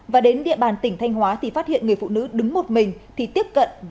và đến địa bàn tỉnh thanh hóa thì phát hiện người phụ nữ đứng một mình thì tiếp cận và ra tay cướp tài sản